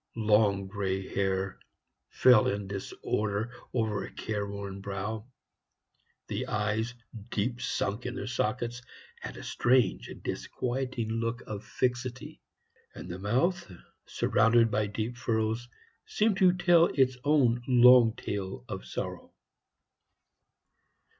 Long gray hair fell in disorder over a careworn brow; the eyes, deep sunk in their sockets, had a strange and disquieting look of fixity; and the mouth, surrounded by deep furrows, seemed to tell its own long tale of sorrow.